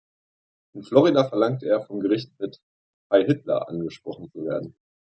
In Florida verlangte er, vom Gericht mit "„Hi Hitler“" angesprochen zu werden.